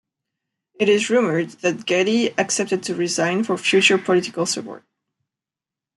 It is rumored that Gedi accepted to resign for future political support.